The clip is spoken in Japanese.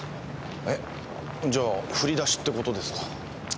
えっ？じゃあ振り出しって事ですか。